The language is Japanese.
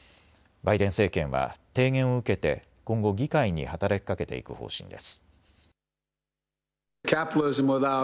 バイデン政権は提言を受けて今後、議会に働きかけていく方針です。